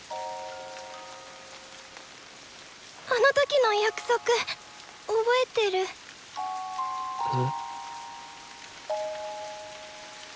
あの時の約束覚えてる？え？